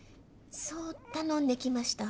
そう頼んできました。